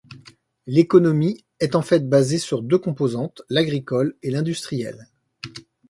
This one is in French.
L'économie est en fait basée sur deux composantes, l'agricole et l'industrielle.